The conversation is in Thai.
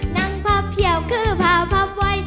นั่งพับเพี่ยวคือพาพับไว้